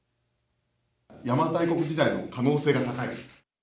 邪馬台国時代の可能性が高い。